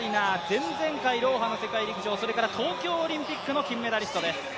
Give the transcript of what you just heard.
前々回、ドーハの世界陸上それから東京オリンピックの金メダリストです。